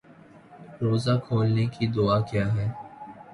روزہ کھولنے کی دعا کیا ہے